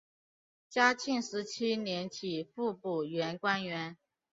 嘉庆十七年起复补原官。